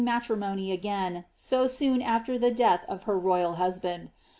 matrimony again, so soon after the death of her royal husband.